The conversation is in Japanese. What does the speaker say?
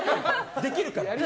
できるから。